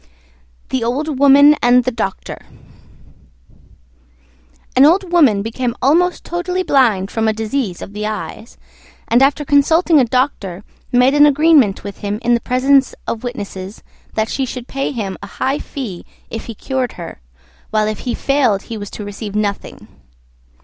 THE OLD WOMAN AND THE DOCTOR An Old Woman became almost totally blind from a disease of the eyes, and, after consulting a Doctor, made an agreement with him in the presence of witnesses that she should pay him a high fee if he cured her, while if he failed he was to receive nothing.